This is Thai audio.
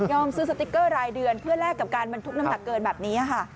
ซื้อสติ๊กเกอร์รายเดือนเพื่อแลกกับการบรรทุกน้ำหนักเกินแบบนี้ค่ะ